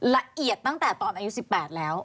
ละเอียดตั้งแต่ตอนอายุ๑๘แล้ว